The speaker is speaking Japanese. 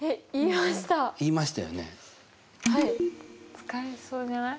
使えそうじゃない？